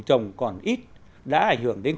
trồng còn ít đã ảnh hưởng đến